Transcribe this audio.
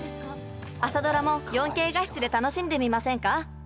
「朝ドラ」も４Ｋ画質で楽しんでみませんか？